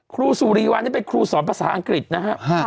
ครูสุรีวันนี้เป็นครูสอนภาษาอังกฤษนะฮะ